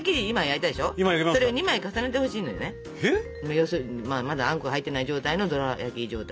要するにまだあんこ入ってない状態のドラやき状態。